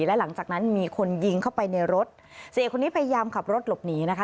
และหลังจากนั้นมีคนยิงเข้าไปในรถเสียเอกคนนี้พยายามขับรถหลบหนีนะคะ